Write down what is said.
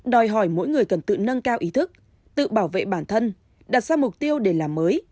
đòi hỏi mỗi người cần tự nâng cao ý thức tự bảo vệ bản thân đặt ra mục tiêu để làm mới